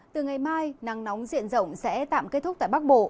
từ ngày mai nắng nóng diện rộng sẽ tạm kết thúc tại bắc bộ